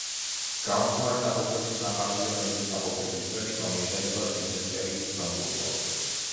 გამხმარი ნაყოფების ნახარში და ნედლი ნაყოფების წვენი გამოიყენება დიზენტერიის სამკურნალოდ.